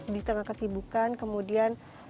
di tengah kesibukan kemudian